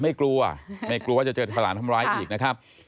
ไม่กลัวไม่กลัวจะเจอผลานธรรมร้ายอีกนะครับ